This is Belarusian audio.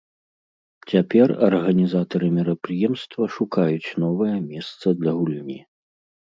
Цяпер арганізатары мерапрыемства шукаюць новае месца для гульні.